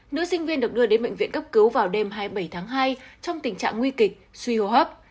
nữ sinh viên được đưa đến bệnh viện cấp cứu vào đêm hai mươi bảy tháng hai trong tình trạng nguy kịch suy hô hấp